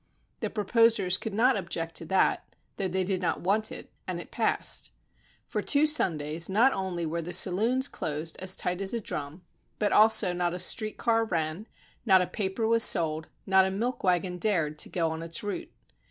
The proposers could not object to that, though they did not want it, and it passed. For two Sundays not only were the saloons closed as tight as a drum, but also not a street car ran, not a paper was sold, not, a milk wagon dared go on its route.